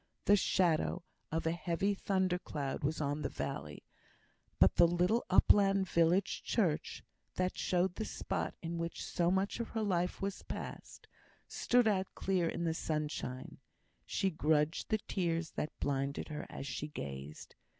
The shadow of a heavy thunder cloud was on the valley, but the little upland village church (that showed the spot in which so much of her life had passed) stood out clear in the sunshine. She grudged the tears that blinded her as she gazed.